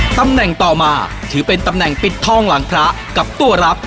ตำแหน่งต่อมาถือเป็นตำแหน่งปิดทองหลังพระกับตัวรับ